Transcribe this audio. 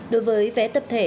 đối với vé tập thể